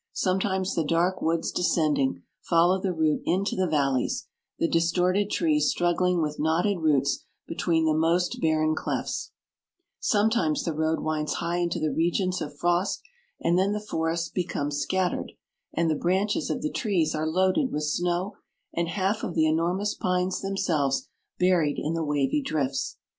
Sometimes the dark woods descending, follow the route into the vallies, the distorted trees struggling with knotted roots between the most barren clefts ; 90 sometimes the road winds high into the regions of frost, and then the forests become scattered, and the branches of the trees are loaded with snow, and half of the enormous pines themselves buried in the wavy drifts.